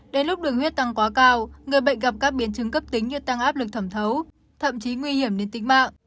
đến lúc đường huyết tăng quá cao người bệnh gặp các biến chứng cấp tính như tăng áp lực thẩm thấu thậm chí nguy hiểm đến tính mạng